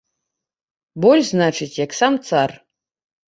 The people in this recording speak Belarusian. Больш значыць, як сам цар.